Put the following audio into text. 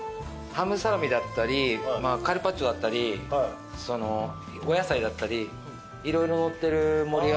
ハムサラミだったりカルパッチョだったりお野菜だったり色々のってる盛り合わせ。